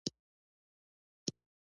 پلار خپل زوی ته د کیسې کتاب واخیست.